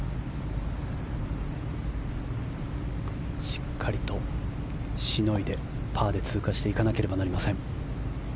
しっかりとしのいでパーで通過していかなければなりません。